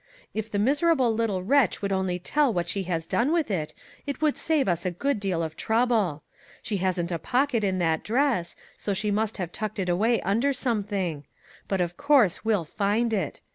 If the miserable little wretch would only tell what she has done with it, it would save us a good deal of trouble. She hasn't a pocket in that dress, so she must have tucked it away 107 MAG AND MARGARET under something; but, of course, we'll find it.